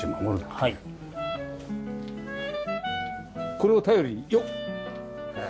これを頼りによっ！